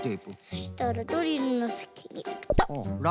そしたらドリルのさきにペタッ。